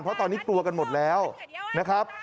เพราะตอนนี้กลัวกันหมดแล้วนะครับ